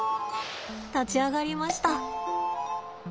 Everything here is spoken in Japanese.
立ち上がりました。